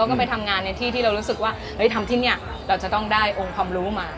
เราก็ไปทำงานที่เรารู้สึกว่าเราจะต้องได้องค์คำรู้มา